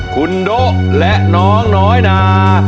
คุณโดะและน้องน้อยนา